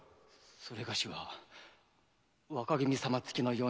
それがしは若君様付きの用人。